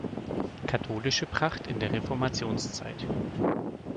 Katholische Pracht in der Reformationszeit".